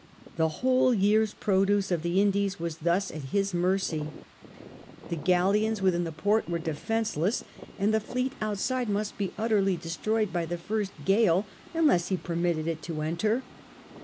The whole year's produce of the Indies was thus at his mercy. The galleons 14 SIR FRANCIS DRAKE ohap. within the port were defenceless, and the fleet outside must be utterly destroyed by the first gale unless he permitted it to enter.